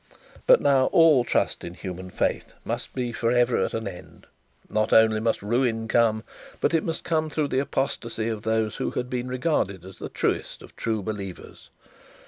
But now all trust in human faith must for ever be at an end. Not only must ruin come, but it must come through the apostasy of those who had been regarded as the truest of true believers.